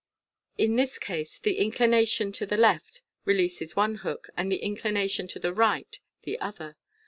In this case an inclination to the left releases one hook, and an inclina tion to the right the other.